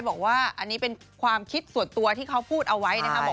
บอกว่าอันนี้เป็นความคิดส่วนตัวที่เขาพูดเอาไว้นะคะ